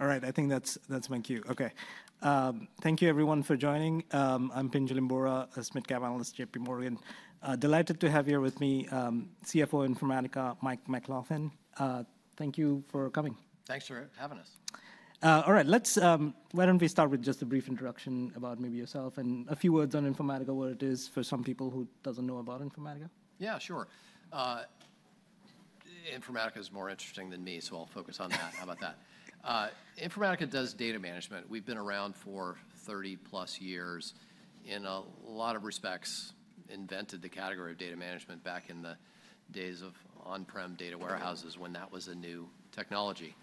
All right, I think that's my cue. Okay, thank you, everyone, for joining. I'm Pinjalim Bora, a J.P. Morgan analyst. Delighted to have here with me CFO of Informatica, Mike McLaughlin. Thank you for coming. Thanks for having us. All right, why don't we start with just a brief introduction about maybe yourself and a few words on Informatica, what it is for some people who don't know about Informatica. Yeah, sure. Informatica is more interesting than me, so I'll focus on that. How about that? Informatica does data management. We've been around for 30-plus years in a lot of respects, invented the category of data management back in the days of on-prem data warehouses when that was a new technology.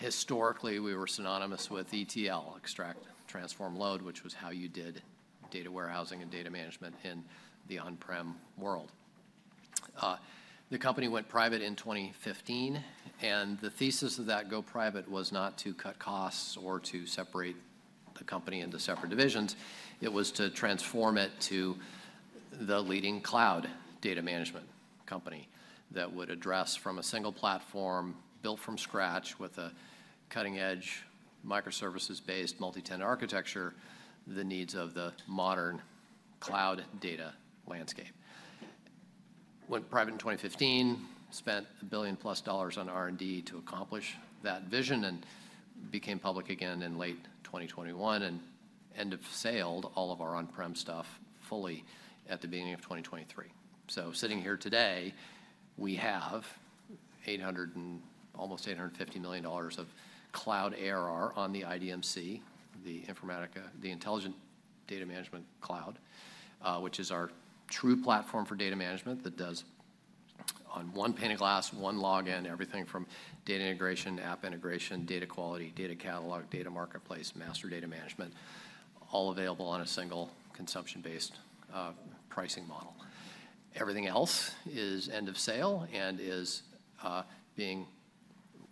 Historically, we were synonymous with ETL, extract, transform, load, which was how you did data warehousing and data management in the on-prem world. The company went private in 2015, and the thesis of that go-private was not to cut costs or to separate the company into separate divisions. It was to transform it to the leading cloud data management company that would address, from a single platform built from scratch with a cutting-edge microservices-based multi-tenant architecture, the needs of the modern cloud data landscape. Went private in 2015, spent a billion-plus dollars on R&D to accomplish that vision, and became public again in late 2021 and end-of-sailed all of our on-prem stuff fully at the beginning of 2023. Sitting here today, we have almost $850 million of cloud ARR on the IDMC, the Informatica, the Intelligent Data Management Cloud, which is our true platform for data management that does, on one pane of glass, one login, everything from data integration, app integration, data quality, data catalog, data marketplace, master data management, all available on a single consumption-based pricing model. Everything else is end-of-sail and is being,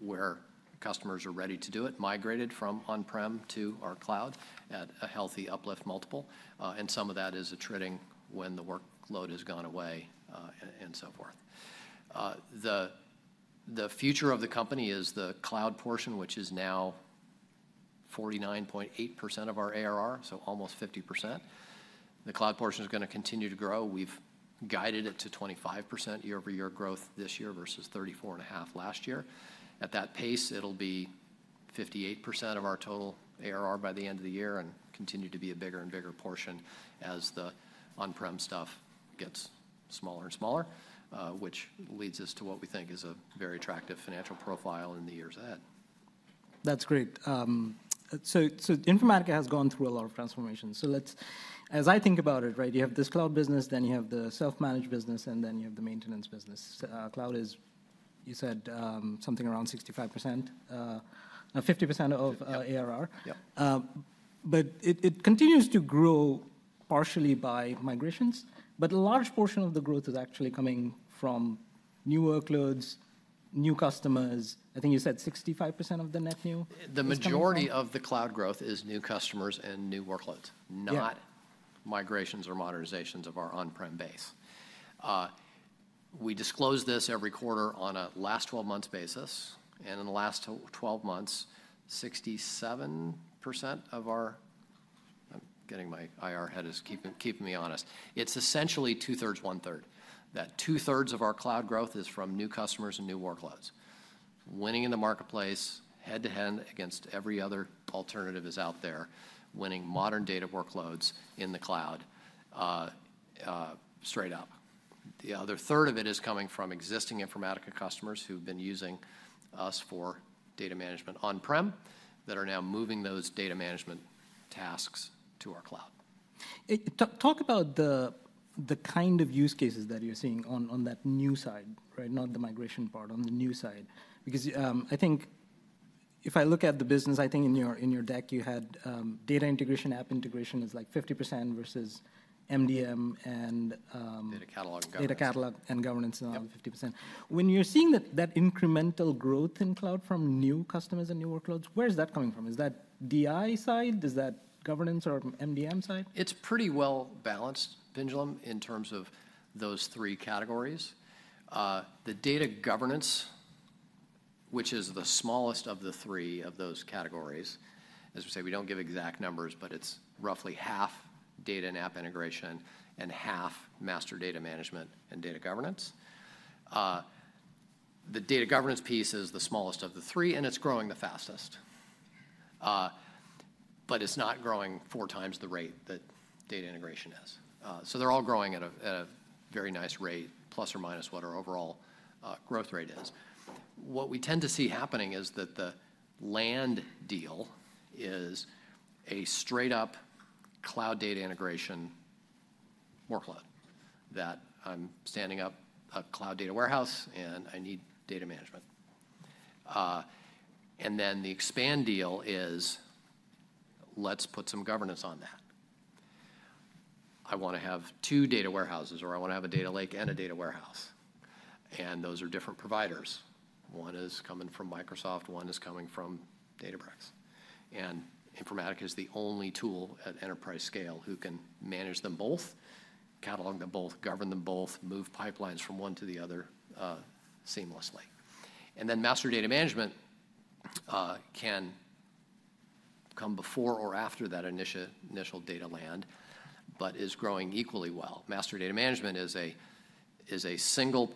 where customers are ready to do it, migrated from on-prem to our cloud at a healthy uplift multiple, and some of that is attriting when the workload has gone away and so forth. The future of the company is the cloud portion, which is now 49.8% of our ARR, so almost 50%. The cloud portion is going to continue to grow. We've guided it to 25% year-over-year growth this year versus 34.5% last year. At that pace, it'll be 58% of our total ARR by the end of the year and continue to be a bigger and bigger portion as the on-prem stuff gets smaller and smaller, which leads us to what we think is a very attractive financial profile in the years ahead. That's great. Informatica has gone through a lot of transformation. As I think about it, right, you have this cloud business, then you have the self-managed business, and then you have the maintenance business. Cloud is, you said, something around 65%, 50% of ARR. Yeah. It continues to grow partially by migrations, but a large portion of the growth is actually coming from new workloads, new customers. I think you said 65% of the net new? The majority of the cloud growth is new customers and new workloads, not migrations or modernizations of our on-prem base. We disclose this every quarter on a last 12-month basis, and in the last 12 months, 67% of our—I'm getting my IR head is keeping me honest. It's essentially two-thirds, one-third. That two-thirds of our cloud growth is from new customers and new workloads, winning in the marketplace head-to-head against every other alternative that is out there, winning modern data workloads in the cloud straight up. The other third of it is coming from existing Informatica customers who've been using us for data management on-prem that are now moving those data management tasks to our cloud. Talk about the kind of use cases that you're seeing on that new side, right, not the migration part on the new side. Because I think if I look at the business, I think in your deck you had data integration, app integration is like 50% versus MDM and. Data Catalog and Governance. Data Catalog and Governance is 50%. When you're seeing that incremental growth in cloud from new customers and new workloads, where is that coming from? Is that DI side? Is that Governance or MDM side? It's pretty well balanced, Pingil, in terms of those three categories. The data governance, which is the smallest of the three of those categories, as we say, we don't give exact numbers, but it's roughly half data and app integration and half master data management and data governance. The data governance piece is the smallest of the three, and it's growing the fastest, but it's not growing four times the rate that data integration is. They're all growing at a very nice rate, plus or minus what our overall growth rate is. What we tend to see happening is that the land deal is a straight-up cloud data integration workload that I'm standing up a cloud data warehouse, and I need data management. The expand deal is, let's put some governance on that. I want to have two data warehouses, or I want to have a data lake and a data warehouse, and those are different providers. One is coming from Microsoft, one is coming from Databricks. Informatica is the only tool at enterprise scale who can manage them both, catalog them both, govern them both, move pipelines from one to the other seamlessly. Master data management can come before or after that initial data land, but is growing equally well. Master data management is a single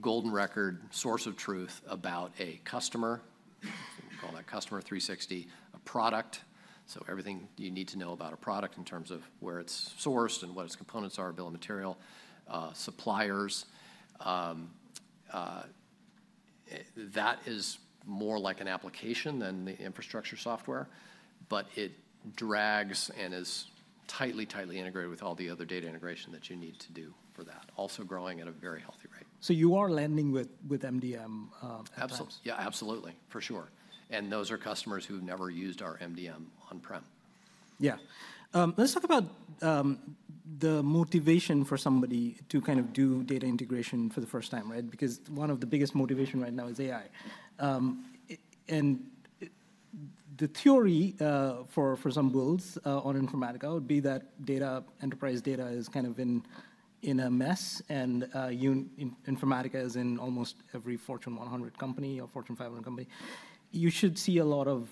golden record source of truth about a customer, we call that customer 360, a product, so everything you need to know about a product in terms of where it's sourced and what its components are, bill of material, suppliers. That is more like an application than the infrastructure software, but it drags and is tightly, tightly integrated with all the other data integration that you need to do for that, also growing at a very healthy rate. You are landing with MDM at times? Absolutely. Yeah, absolutely, for sure. Those are customers who've never used our MDM on-prem. Yeah. Let's talk about the motivation for somebody to kind of do data integration for the first time, right? Because one of the biggest motivations right now is AI. And the theory for some worlds on Informatica would be that enterprise data is kind of in a mess, and Informatica is in almost every Fortune 100 company or Fortune 500 company. You should see a lot of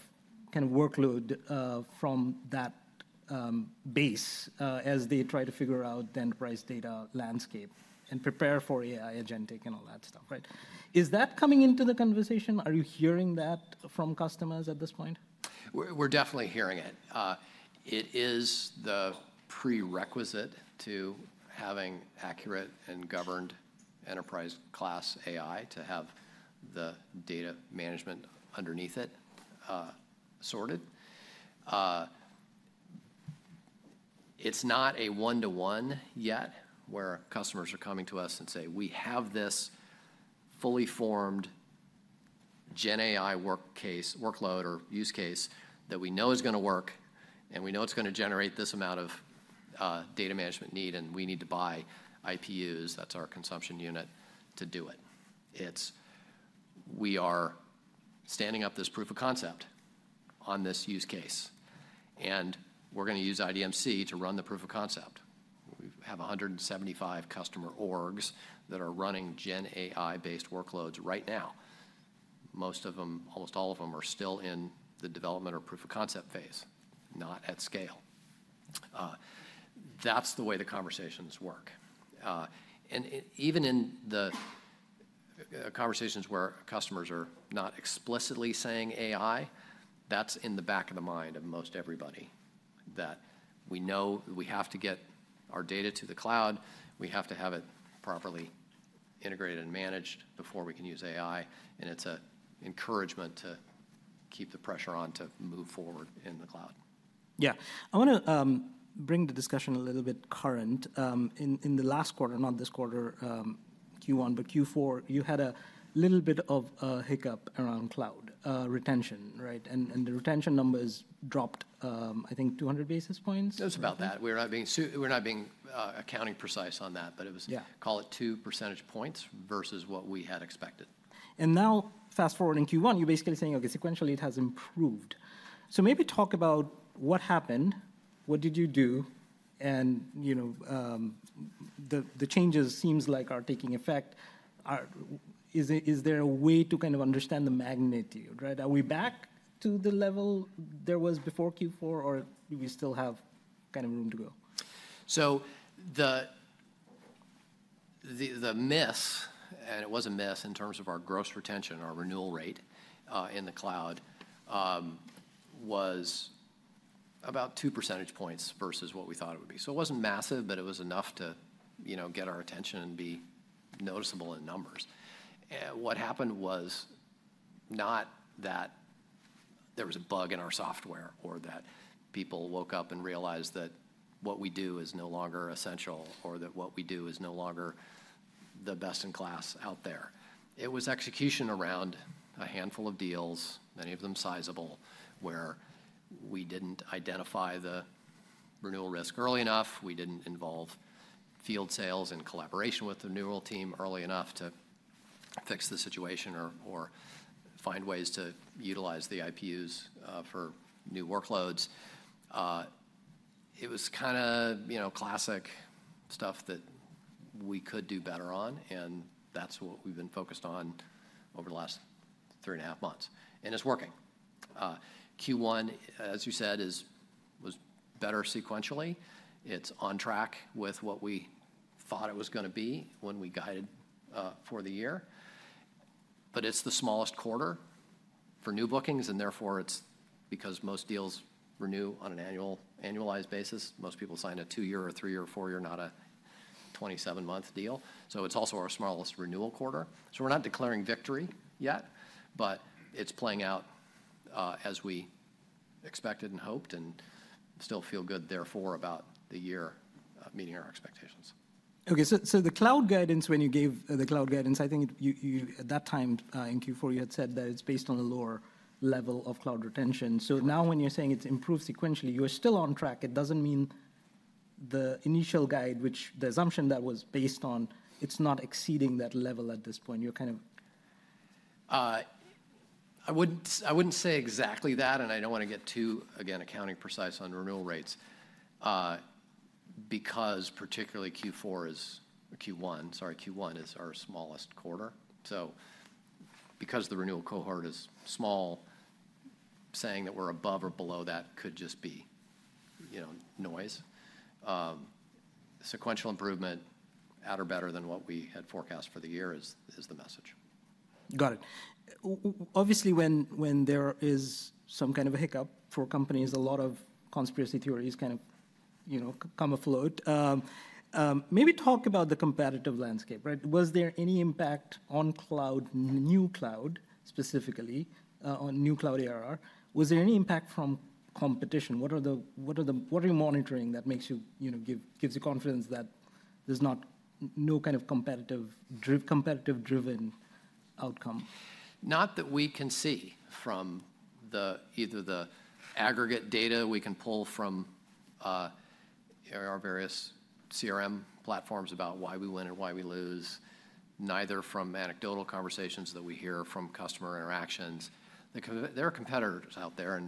kind of workload from that base as they try to figure out the enterprise data landscape and prepare for AI agentic and all that stuff, right? Is that coming into the conversation? Are you hearing that from customers at this point? We're definitely hearing it. It is the prerequisite to having accurate and governed enterprise-class AI to have the data management underneath it sorted. It's not a one-to-one yet where customers are coming to us and say, "We have this fully formed GenAI workload or use case that we know is going to work, and we know it's going to generate this amount of data management need, and we need to buy IPUs. That's our consumption unit to do it." It's, "We are standing up this proof of concept on this use case, and we're going to use IDMC to run the proof of concept." We have 175 customer orgs that are running GenAI-based workloads right now. Most of them, almost all of them, are still in the development or proof of concept phase, not at scale. That's the way the conversations work. Even in the conversations where customers are not explicitly saying AI, that's in the back of the mind of most everybody that we know we have to get our data to the cloud, we have to have it properly integrated and managed before we can use AI, and it's an encouragement to keep the pressure on to move forward in the cloud. Yeah. I want to bring the discussion a little bit current. In the last quarter, not this quarter, Q1, but Q4, you had a little bit of a hiccup around cloud retention, right? And the retention numbers dropped, I think, 200 basis points? It was about that. We're not being accounting precise on that, but it was, call it, two percentage points versus what we had expected. Now, fast forward in Q1, you're basically saying, "Okay, sequentially, it has improved." Maybe talk about what happened, what did you do, and the changes seem like are taking effect. Is there a way to kind of understand the magnitude, right? Are we back to the level there was before Q4, or do we still have kind of room to go? The miss, and it was a miss in terms of our gross retention, our renewal rate in the cloud, was about two percentage points versus what we thought it would be. It was not massive, but it was enough to get our attention and be noticeable in numbers. What happened was not that there was a bug in our software or that people woke up and realized that what we do is no longer essential or that what we do is no longer the best in class out there. It was execution around a handful of deals, many of them sizable, where we did not identify the renewal risk early enough. We did not involve field sales in collaboration with the renewal team early enough to fix the situation or find ways to utilize the IPUs for new workloads. It was kind of classic stuff that we could do better on, and that's what we've been focused on over the last three and a half months, and it's working. Q1, as you said, was better sequentially. It's on track with what we thought it was going to be when we guided for the year, but it's the smallest quarter for new bookings, and therefore, it's because most deals renew on an annualized basis. Most people sign a two-year or three-year or four-year, not a 27-month deal. It is also our smallest renewal quarter. We are not declaring victory yet, but it's playing out as we expected and hoped and still feel good, therefore, about the year meeting our expectations. Okay. So the cloud guidance, when you gave the cloud guidance, I think at that time in Q4, you had said that it's based on a lower level of cloud retention. Now when you're saying it's improved sequentially, you're still on track. It doesn't mean the initial guide, which the assumption that was based on, it's not exceeding that level at this point. You're kind of. I wouldn't say exactly that, and I don't want to get too, again, accounting precise on renewal rates because particularly Q4 is Q1, sorry, Q1 is our smallest quarter. So because the renewal cohort is small, saying that we're above or below that could just be noise. Sequential improvement, at or better than what we had forecast for the year is the message. Got it. Obviously, when there is some kind of a hiccup for companies, a lot of conspiracy theories kind of come afloat. Maybe talk about the competitive landscape, right? Was there any impact on cloud, new cloud specifically, on new cloud ARR? Was there any impact from competition? What are you monitoring that gives you confidence that there's no kind of competitive-driven outcome? Not that we can see from either the aggregate data we can pull from our various CRM platforms about why we win and why we lose, neither from anecdotal conversations that we hear from customer interactions. There are competitors out there,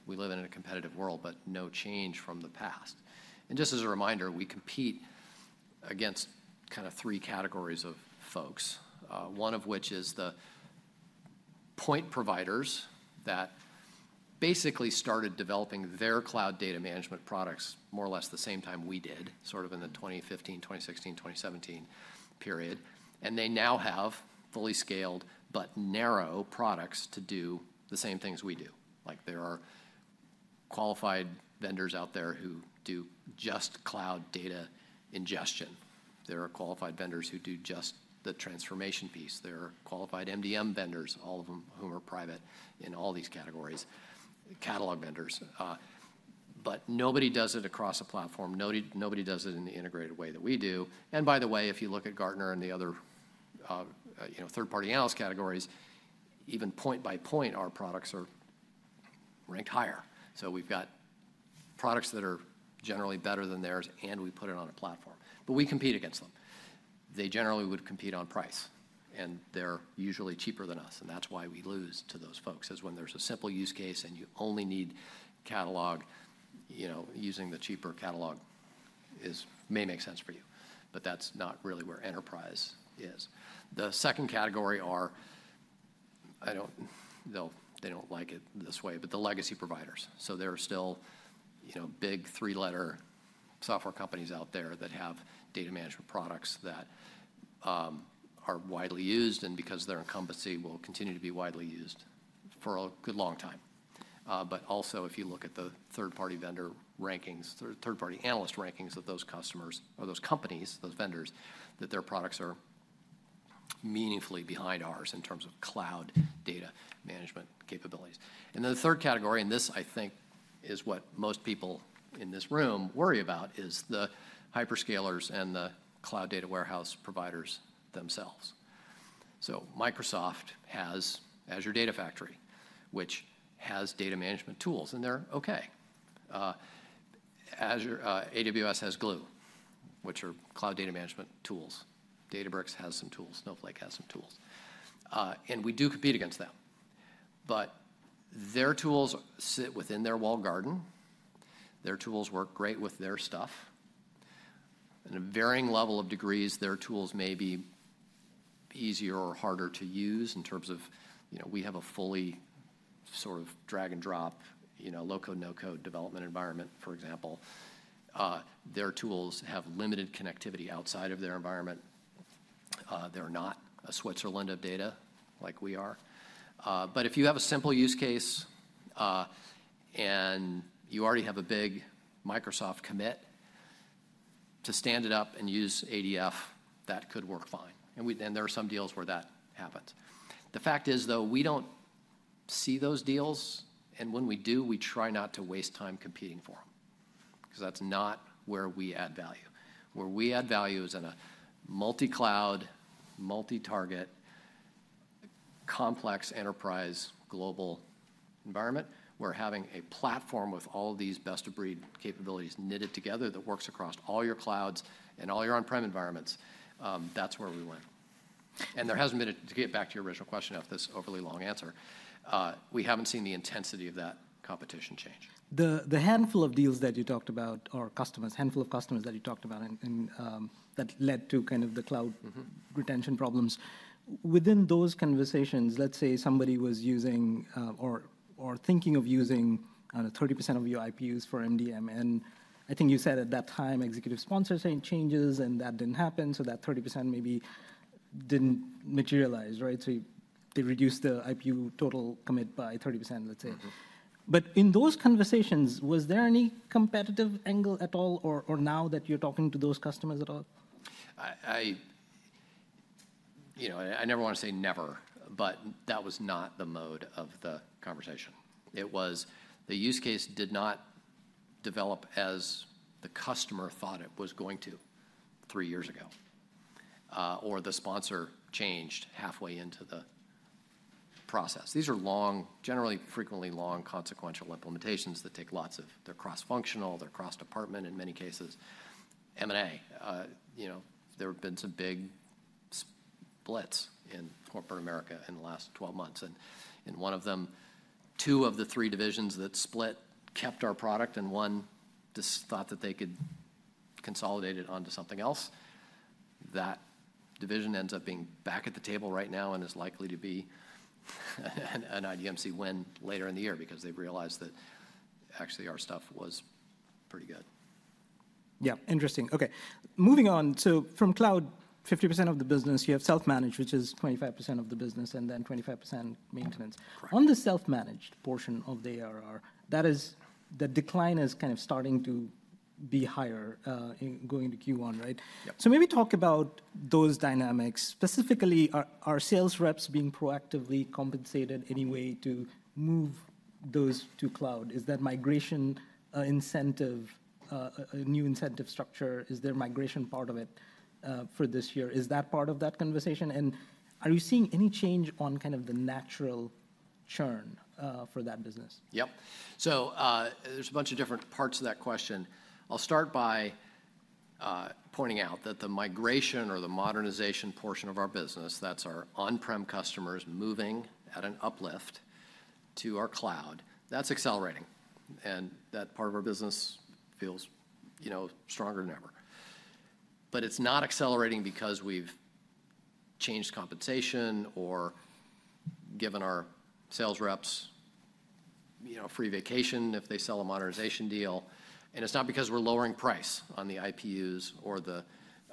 and we live in a competitive world, but no change from the past. Just as a reminder, we compete against kind of three categories of folks, one of which is the point providers that basically started developing their cloud data management products more or less the same time we did, sort of in the 2015, 2016, 2017 period, and they now have fully scaled but narrow products to do the same things we do. There are qualified vendors out there who do just cloud data ingestion. There are qualified vendors who do just the transformation piece. There are qualified MDM vendors, all of whom are private in all these categories, catalog vendors, but nobody does it across a platform. Nobody does it in the integrated way that we do. By the way, if you look at Gartner and the other third-party analyst categories, even point by point, our products are ranked higher. We have products that are generally better than theirs, and we put it on a platform, but we compete against them. They generally would compete on price, and they are usually cheaper than us, and that is why we lose to those folks, is when there is a simple use case and you only need catalog, using the cheaper catalog may make sense for you, but that is not really where enterprise is. The second category are, they do not like it this way, but the legacy providers. There are still big three-letter software companies out there that have data management products that are widely used and because they're cumbersome, will continue to be widely used for a good long time. Also, if you look at the third-party vendor rankings, third-party analyst rankings of those customers or those companies, those vendors, their products are meaningfully behind ours in terms of cloud data management capabilities. The third category, and this I think is what most people in this room worry about, is the hyperscalers and the cloud data warehouse providers themselves. Microsoft has Azure Data Factory, which has data management tools, and they're okay. AWS has Glue, which are cloud data management tools. Databricks has some tools. Snowflake has some tools. We do compete against them, but their tools sit within their walled garden. Their tools work great with their stuff. In a varying level of degrees, their tools may be easier or harder to use in terms of we have a fully sort of drag-and-drop, low-code, no-code development environment, for example. Their tools have limited connectivity outside of their environment. They're not a Switzerland of data like we are. If you have a simple use case and you already have a big Microsoft commit to stand it up and use ADF, that could work fine. There are some deals where that happens. The fact is, though, we do not see those deals, and when we do, we try not to waste time competing for them because that's not where we add value. Where we add value is in a multi-cloud, multi-target, complex enterprise global environment where having a platform with all of these best-of-breed capabilities knitted together that works across all your clouds and all your on-prem environments, that is where we win. There has not been, to get back to your original question, if this is an overly long answer, we have not seen the intensity of that competition change. The handful of deals that you talked about or customers, handful of customers that you talked about that led to kind of the cloud retention problems. Within those conversations, let's say somebody was using or thinking of using 30% of your IPUs for MDM, and I think you said at that time executive sponsor changes, and that did not happen, so that 30% maybe did not materialize, right? They reduced the IPU total commit by 30%, let's say. In those conversations, was there any competitive angle at all, or now that you are talking to those customers at all? I never want to say never, but that was not the mode of the conversation. It was the use case did not develop as the customer thought it was going to three years ago, or the sponsor changed halfway into the process. These are generally frequently long, consequential implementations that take lots of, they're cross-functional, they're cross-department in many cases. M&A, there have been some big splits in corporate America in the last 12 months, and in one of them, two of the three divisions that split kept our product, and one just thought that they could consolidate it onto something else. That division ends up being back at the table right now and is likely to be an IDMC win later in the year because they've realized that actually our stuff was pretty good. Yeah. Interesting. Okay. Moving on. From cloud, 50% of the business, you have self-managed, which is 25% of the business, and then 25% maintenance. Correct. On the self-managed portion of the ARR, the decline is kind of starting to be higher going to Q1, right? Yeah. Maybe talk about those dynamics. Specifically, are sales reps being proactively compensated anyway to move those to cloud? Is that migration incentive, new incentive structure, is there migration part of it for this year? Is that part of that conversation? Are you seeing any change on kind of the natural churn for that business? Yep. There is a bunch of different parts of that question. I'll start by pointing out that the migration or the modernization portion of our business, that's our on-prem customers moving at an uplift to our cloud, that's accelerating, and that part of our business feels stronger than ever. It is not accelerating because we've changed compensation or given our sales reps free vacation if they sell a modernization deal. It is not because we're lowering price on the IPUs or the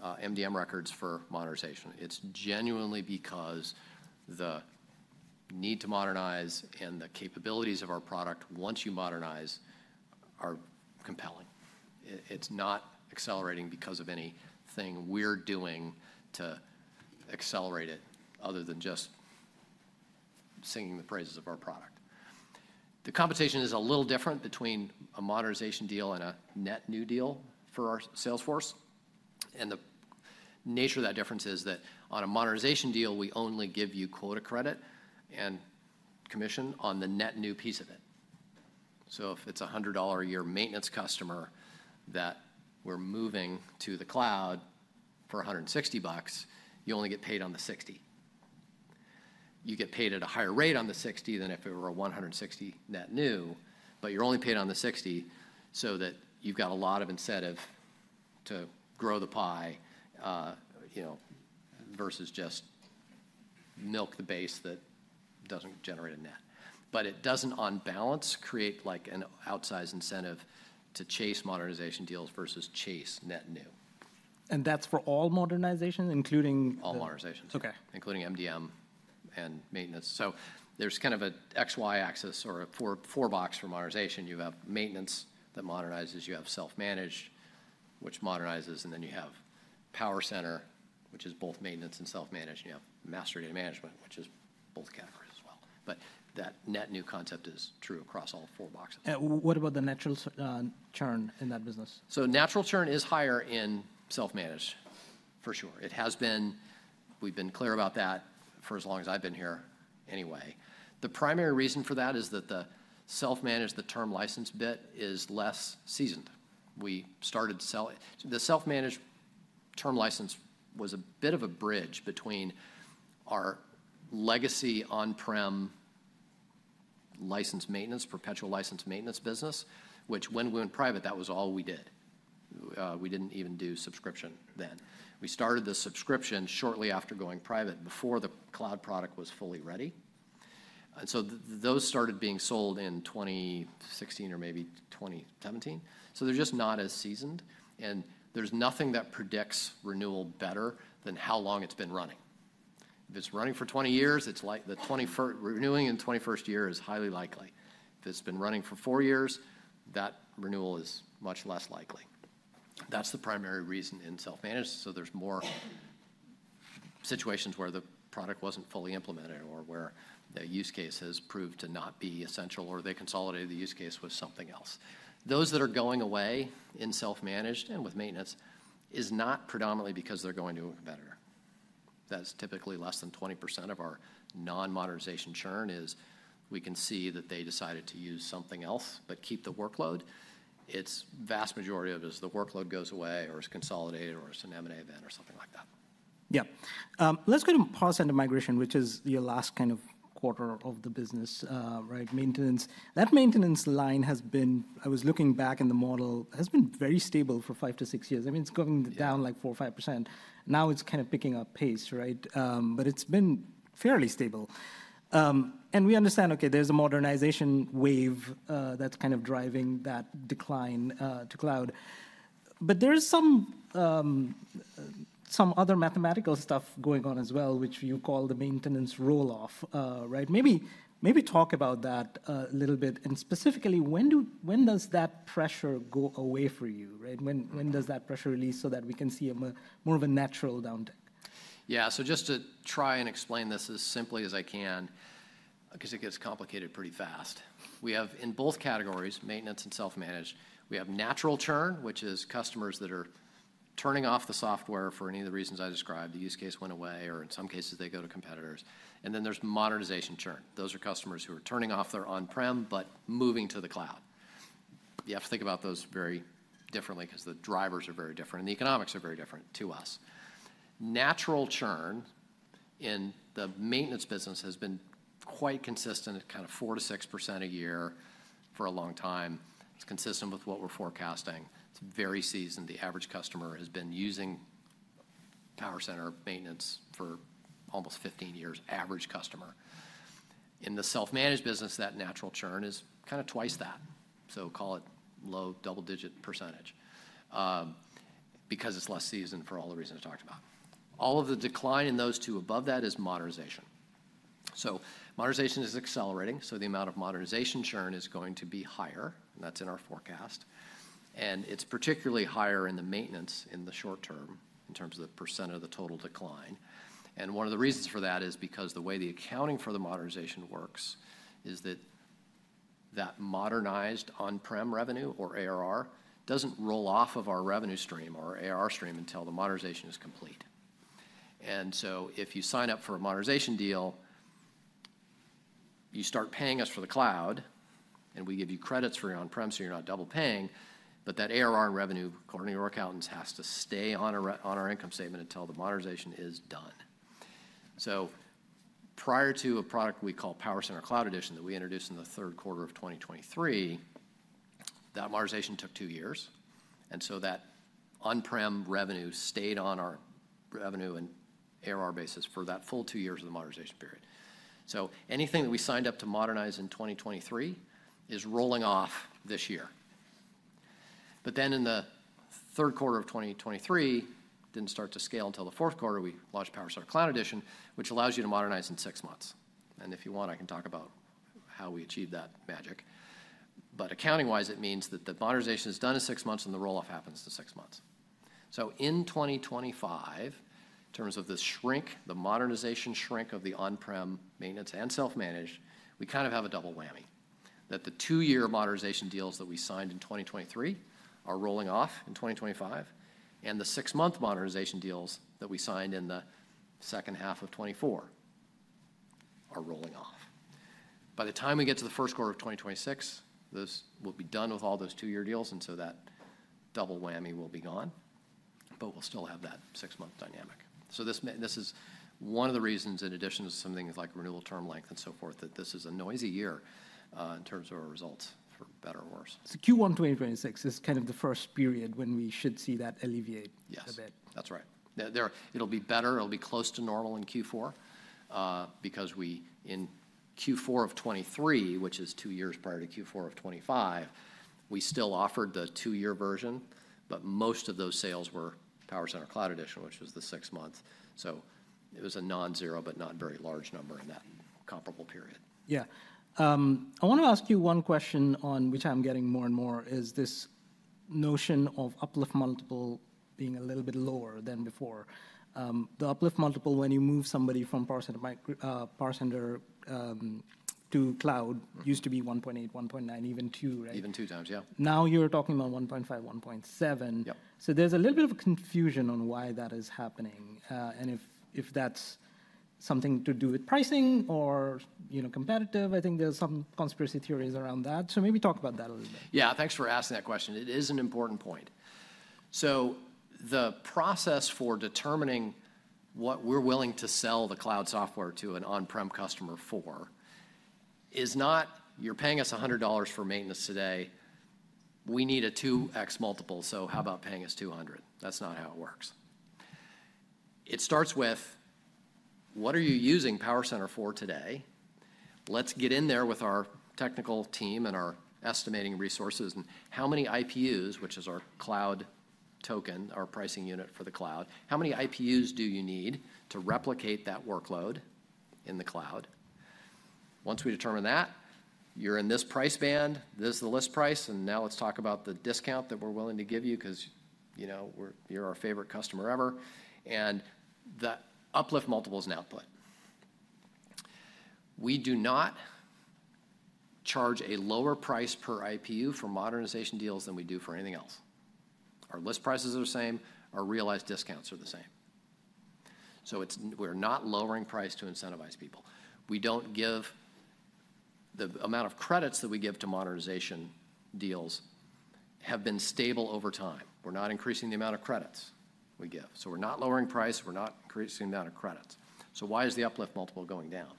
MDM records for modernization. It is genuinely because the need to modernize and the capabilities of our product once you modernize are compelling. It is not accelerating because of anything we're doing to accelerate it other than just singing the praises of our product. The compensation is a little different between a modernization deal and a net new deal for our sales force, and the nature of that difference is that on a modernization deal, we only give you quota credit and commission on the net new piece of it. If it's a $100 a year maintenance customer that we're moving to the cloud for $160, you only get paid on the $60. You get paid at a higher rate on the $60 than if it were a $160 net new, but you're only paid on the $60 so that you've got a lot of incentive to grow the pie versus just milk the base that doesn't generate a net. It doesn't, on balance, create an outsized incentive to chase modernization deals versus chase net new. That's for all modernizations, including? All modernizations. Okay. Including MDM and maintenance. There's kind of an XY axis or four boxes for modernization. You have maintenance that modernizes, you have self-managed, which modernizes, and then you have PowerCenter, which is both maintenance and self-managed, and you have Master Data Management, which is both categories as well. That net new concept is true across all four boxes. What about the natural churn in that business? Natural churn is higher in self-managed, for sure. It has been. We've been clear about that for as long as I've been here anyway. The primary reason for that is that the self-managed, the term license bit is less seasoned. We started selling the self-managed term license as a bit of a bridge between our legacy on-prem license maintenance, perpetual license maintenance business, which when we went private, that was all we did. We did not even do subscription then. We started the subscription shortly after going private, before the cloud product was fully ready. Those started being sold in 2016 or maybe 2017. They are just not as seasoned, and there is nothing that predicts renewal better than how long it has been running. If it is running for 20 years, the renewing in the 21st year is highly likely. If it's been running for four years, that renewal is much less likely. That's the primary reason in self-managed. There are more situations where the product wasn't fully implemented or where the use case has proved to not be essential or they consolidated the use case with something else. Those that are going away in self-managed and with maintenance is not predominantly because they're going to a competitor. That's typically less than 20% of our non-modernization churn as we can see that they decided to use something else but keep the workload. Its vast majority of it is the workload goes away or it's consolidated or it's an M&A event or something like that. Yeah. Let's go to the cost and the migration, which is your last kind of quarter of the business, right? Maintenance. That maintenance line has been, I was looking back in the model, has been very stable for five to six years. I mean, it's going down like 4%, 5%. Now it's kind of picking up pace, right? It's been fairly stable. We understand, okay, there's a modernization wave that's kind of driving that decline to cloud. There's some other mathematical stuff going on as well, which you call the maintenance roll-off, right? Maybe talk about that a little bit. Specifically, when does that pressure go away for you, right? When does that pressure release so that we can see more of a natural downtick? Yeah. Just to try and explain this as simply as I can because it gets complicated pretty fast. We have, in both categories, maintenance and self-managed, we have natural churn, which is customers that are turning off the software for any of the reasons I described. The use case went away, or in some cases, they go to competitors. Then there's modernization churn. Those are customers who are turning off their on-prem but moving to the cloud. You have to think about those very differently because the drivers are very different and the economics are very different to us. Natural churn in the maintenance business has been quite consistent, kind of 4%-6% a year for a long time. It's consistent with what we're forecasting. It's very seasoned. The average customer has been using PowerCenter maintenance for almost 15 years, average customer. In the self-managed business, that natural churn is kind of twice that. So call it low double-digit % because it's less seasoned for all the reasons I talked about. All of the decline in those two above that is modernization. So modernization is accelerating, so the amount of modernization churn is going to be higher, and that's in our forecast. And it's particularly higher in the maintenance in the short term in terms of the % of the total decline. And one of the reasons for that is because the way the accounting for the modernization works is that that modernized on-prem revenue or ARR doesn't roll off of our revenue stream or our ARR stream until the modernization is complete. If you sign up for a modernization deal, you start paying us for the cloud, and we give you credits for your on-prem, so you're not double paying, but that ARR and revenue, according to your accountants, has to stay on our income statement until the modernization is done. Prior to a product we call PowerCenter Cloud Edition that we introduced in the third quarter of 2023, that modernization took two years, and that on-prem revenue stayed on our revenue and ARR basis for that full two years of the modernization period. Anything that we signed up to modernize in 2023 is rolling off this year. In the third quarter of 2023, it did not start to scale until the fourth quarter, we launched PowerCenter Cloud Edition, which allows you to modernize in six months. If you want, I can talk about how we achieved that magic. Accounting-wise, it means that the modernization is done in six months and the roll-off happens in six months. In 2025, in terms of the shrink, the modernization shrink of the on-prem maintenance and self-managed, we kind of have a double whammy that the two-year modernization deals that we signed in 2023 are rolling off in 2025, and the six-month modernization deals that we signed in the second half of 2024 are rolling off. By the time we get to the first quarter of 2026, we will be done with all those two-year deals, and that double whammy will be gone, but we will still have that six-month dynamic. This is one of the reasons, in addition to some things like renewal term length and so forth, that this is a noisy year in terms of our results, for better or worse. Q1 2026 is kind of the first period when we should see that alleviate a bit. Yes. That's right. It'll be better. It'll be close to normal in Q4 because in Q4 of 2023, which is two years prior to Q4 of 2025, we still offered the two-year version, but most of those sales were PowerCenter Cloud Edition, which was the six months. So it was a non-zero but not very large number in that comparable period. Yeah. I want to ask you one question on which I'm getting more and more is this notion of uplift multiple being a little bit lower than before. The uplift multiple, when you move somebody from PowerCenter to cloud, used to be 1.8, 1.9, even 2, right? Even two times, yeah. Now you're talking about 1.5, 1.7. Yeah. There's a little bit of confusion on why that is happening and if that's something to do with pricing or competitive. I think there's some conspiracy theories around that. Maybe talk about that a little bit. Yeah. Thanks for asking that question. It is an important point. The process for determining what we're willing to sell the cloud software to an on-prem customer for is not, "You're paying us $100 for maintenance today. We need a 2X multiple, so how about paying us $200?" That's not how it works. It starts with, "What are you using PowerCenter for today?" Let's get in there with our technical team and our estimating resources and how many IPUs, which is our cloud token, our pricing unit for the cloud, how many IPUs do you need to replicate that workload in the cloud? Once we determine that, "You're in this price band. This is the list price, and now let's talk about the discount that we're willing to give you because you're our favorite customer ever," and the uplift multiple is an output. We do not charge a lower price per IPU for modernization deals than we do for anything else. Our list prices are the same. Our realized discounts are the same. We are not lowering price to incentivize people. The amount of credits that we give to modernization deals have been stable over time. We are not increasing the amount of credits we give. We are not lowering price. We are not increasing the amount of credits. Why is the uplift multiple going down?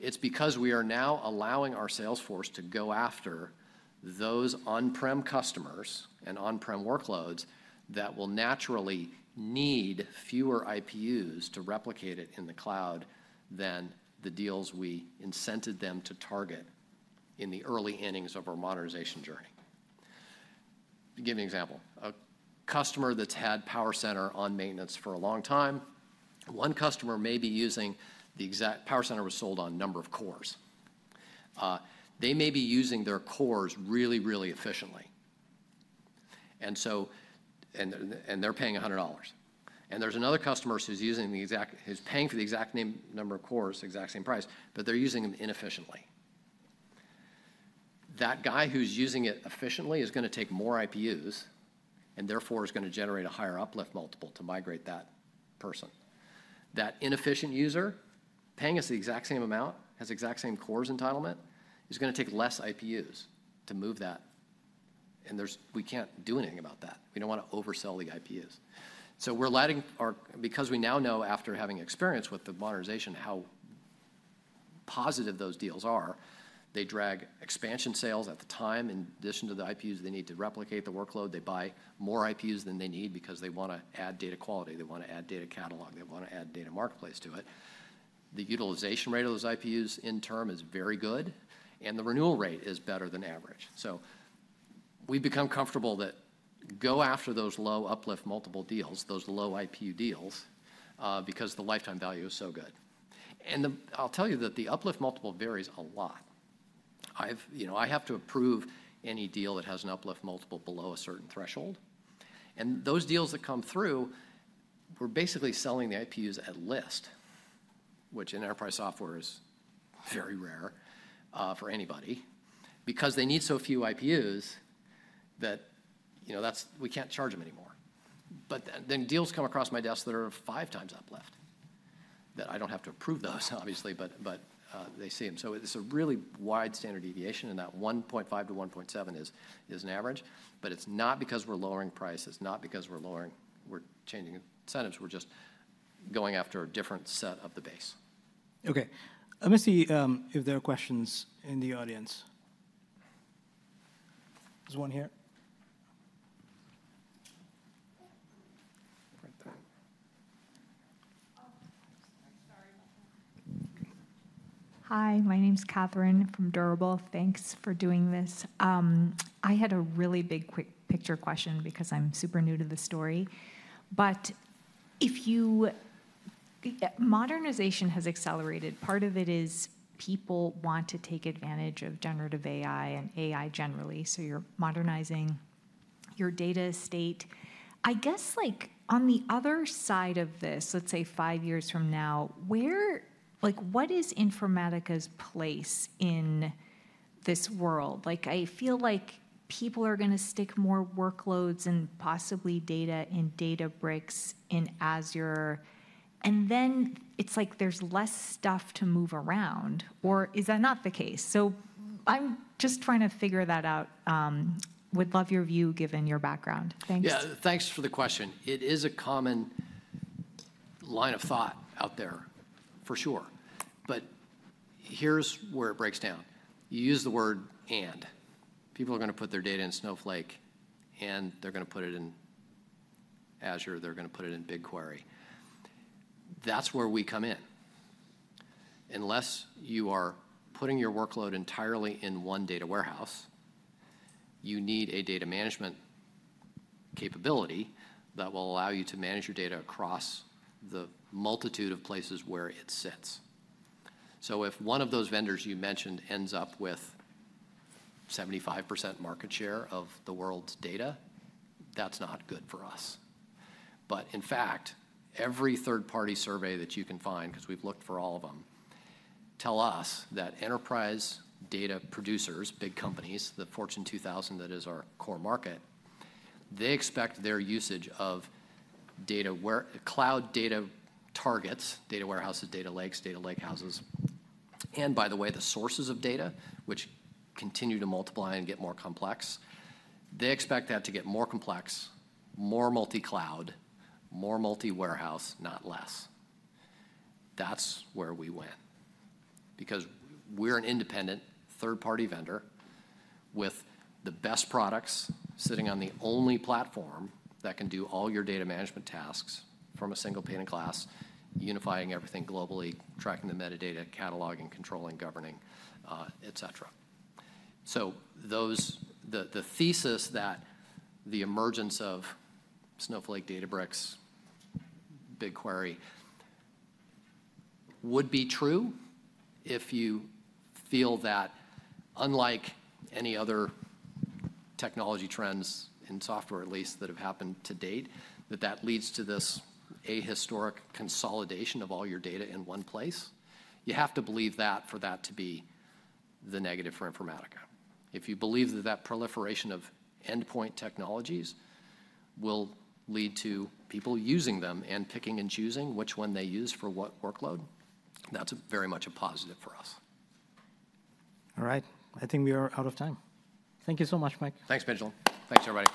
It is because we are now allowing our sales force to go after those on-prem customers and on-prem workloads that will naturally need fewer IPUs to replicate it in the cloud than the deals we incented them to target in the early innings of our modernization journey. To give you an example, a customer that's had PowerCenter on maintenance for a long time, one customer may be using the exact PowerCenter was sold on number of cores. They may be using their cores really, really efficiently, and they're paying $100. And there's another customer who's paying for the exact number of cores, exact same price, but they're using them inefficiently. That guy who's using it efficiently is going to take more IPUs and therefore is going to generate a higher uplift multiple to migrate that person. That inefficient user, paying us the exact same amount, has exact same cores entitlement, is going to take less IPUs to move that. We can't do anything about that. We don't want to oversell the IPUs. We're letting our—because we now know, after having experience with the modernization, how positive those deals are, they drag expansion sales at the time. In addition to the IPUs they need to replicate the workload, they buy more IPUs than they need because they want to add data quality. They want to add data catalog. They want to add data marketplace to it. The utilization rate of those IPUs in term is very good, and the renewal rate is better than average. We've become comfortable that go after those low uplift multiple deals, those low IPU deals, because the lifetime value is so good. I'll tell you that the uplift multiple varies a lot. I have to approve any deal that has an uplift multiple below a certain threshold. Those deals that come through, we're basically selling the IPUs at list, which in enterprise software is very rare for anybody because they need so few IPUs that we can't charge them anymore. Deals come across my desk that are five times uplift that I don't have to approve those, obviously, but they see them. It is a really wide standard deviation, and that 1.5-1.7 is an average. It is not because we're lowering price. It is not because we're changing incentives. We're just going after a different set of the base. Okay. Let me see if there are questions in the audience. There's one here. Hi. My name's Katherine from Durable. Thanks for doing this. I had a really big quick picture question because I'm super new to the story. Modernization has accelerated. Part of it is people want to take advantage of generative AI and AI generally. You are modernizing your data estate. I guess on the other side of this, let's say five years from now, what is Informatica's place in this world? I feel like people are going to stick more workloads and possibly data in Databricks and Azure, and then it is like there is less stuff to move around, or is that not the case? I am just trying to figure that out. Would love your view given your background. Thanks. Yeah. Thanks for the question. It is a common line of thought out there, for sure. Here is where it breaks down. You use the word "and." People are going to put their data in Snowflake, and they're going to put it in Azure. They're going to put it in BigQuery. That is where we come in. Unless you are putting your workload entirely in one data warehouse, you need a data management capability that will allow you to manage your data across the multitude of places where it sits. If one of those vendors you mentioned ends up with 75% market share of the world's data, that's not good for us. In fact, every third-party survey that you can find, because we've looked for all of them, tell us that enterprise data producers, big companies, the Fortune 2000, that is our core market, they expect their usage of cloud data targets, data warehouses, data lakes, data lakehouses, and by the way, the sources of data, which continue to multiply and get more complex. They expect that to get more complex, more multi-cloud, more multi-warehouse, not less. That's where we went because we're an independent third-party vendor with the best products sitting on the only platform that can do all your data management tasks from a single pane of glass, unifying everything globally, tracking the metadata, cataloging, controlling, governing, etc. The thesis that the emergence of Snowflake, Databricks, BigQuery would be true if you feel that, unlike any other technology trends in software, at least that have happened to date, that that leads to this ahistoric consolidation of all your data in one place, you have to believe that for that to be the negative for Informatica. If you believe that that proliferation of endpoint technologies will lead to people using them and picking and choosing which one they use for what workload, that's very much a positive for us. All right. I think we are out of time. Thank you so much, Mike. Thanks, Benjamin. Thanks, everybody.